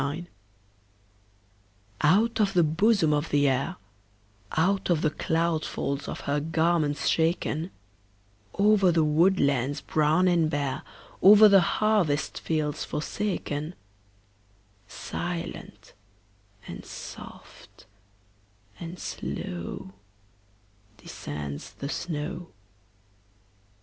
SNOW FLAKES Out of the bosom of the Air, Out of the cloud folds of her garments shaken, Over the woodlands brown and bare, Over the harvest fields forsaken, Silent, and soft, and slow Descends the snow.